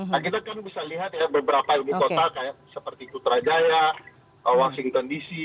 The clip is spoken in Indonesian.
nah kita kan bisa lihat ya beberapa ibu kota seperti putrajaya washington dc